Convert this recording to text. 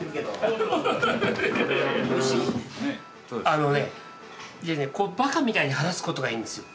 あのねこうばかみたいに話すことがいいんですよ。